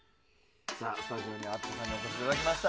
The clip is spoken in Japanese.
スタジオに佐藤敦弘さんにお越しいただきました。